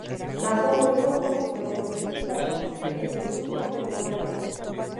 Majo fue un compositor muy respetado entre sus contemporáneos.